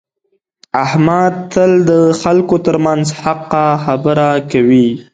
احمد تل د خلکو ترمنځ حقه خبره کوي.